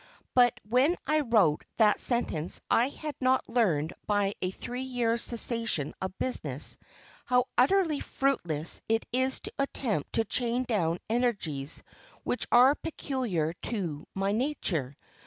But when I wrote that sentence I had not learned by a three years' cessation of business, how utterly fruitless it is to attempt to chain down energies which are peculiar to my nature.